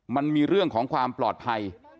มันมีเรื่องของความปลอดภัย